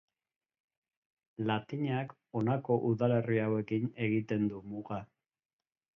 Latinak honako udalerri hauekin egiten du muga.